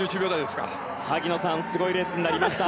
すごいレースになりました。